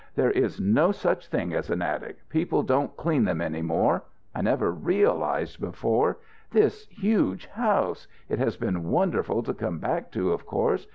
"There is no such thing as an attic. People don't clean them any more. I never realized before this huge house. It has been wonderful to come back to, of course.